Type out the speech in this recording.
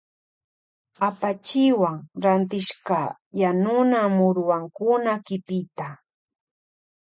Apachiwan rantishka yanuna muruwankuna kipita.